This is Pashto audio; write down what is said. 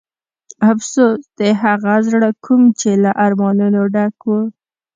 افسوس د هغه زړه کوم چې له ارمانونو ډک و.